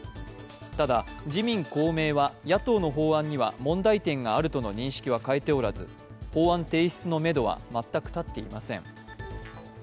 ただ、自民・公明は野党の法案には問題点があるとの認識は変えておらず法案提出のめどは全く立っていません。